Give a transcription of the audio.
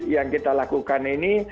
yang kita lakukan ini